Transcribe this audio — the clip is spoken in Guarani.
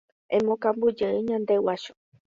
Emokambujey ñande guácho